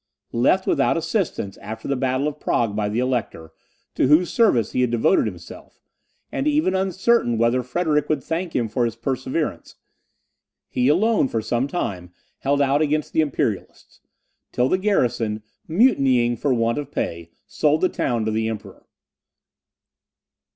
Left without assistance after the battle of Prague by the Elector, to whose service he had devoted himself, and even uncertain whether Frederick would thank him for his perseverance, he alone for some time held out against the imperialists, till the garrison, mutinying for want of pay, sold the town to the Emperor.